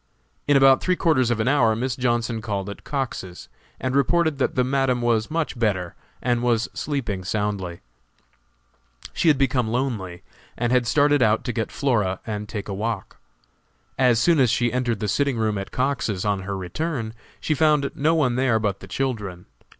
In about three quarters of an hour Miss Johnson called at Cox's, and reported that the Madam was much better, and was sleeping soundly. She had become lonely, and had started out to get Flora and take a walk. As soon as she entered the sitting room at Cox's, on her return, she found no one there but the children.